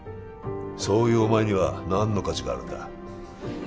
そういうお前には何の価値があるんだ？